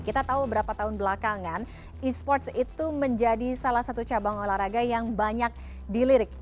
kita tahu berapa tahun belakangan e sports itu menjadi salah satu cabang olahraga yang banyak dilirik